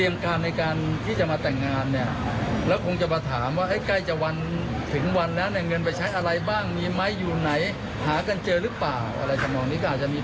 ว่าที่เจ้าบ่าวน่ะก็ไม่อยากจะแต่งนี้